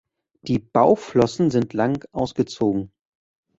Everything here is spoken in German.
Die Bauchflossen sind lang ausgezogen.